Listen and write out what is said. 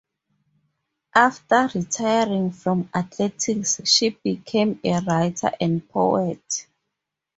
After retiring from athletics she became a writer and poet.